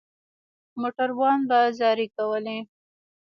موټروان به زارۍ کولې.